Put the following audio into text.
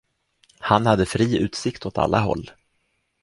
Han hade fri utsikt åt alla håll.